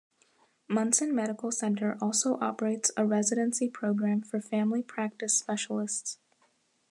Munson Medical Center also operates a residency program for Family Practice specialists.